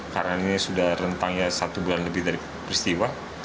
karena ini sudah rentang ya satu bulan lebih dari peristiwa